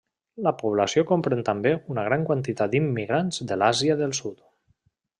La població comprèn també una gran quantitat d'immigrants de l'Àsia del Sud.